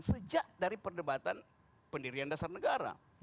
sejak dari perdebatan pendirian dasar negara